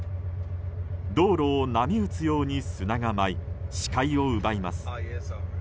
道路を波打つように砂が舞い視界を奪います。